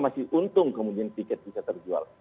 masih untung kemudian tiket bisa terjual